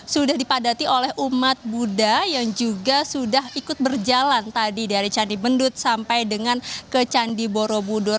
sudah dipadati oleh umat buddha yang juga sudah ikut berjalan tadi dari candi bendut sampai dengan ke candi borobudur